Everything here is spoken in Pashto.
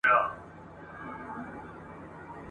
دې ویاله کي اوبه تللي سبا بیا پکښی بهېږي !.